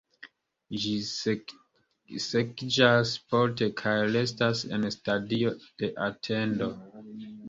Ĝi sekiĝas porte kaj restas en stadio de atendo.